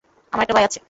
আমার একটা ভাই আছে।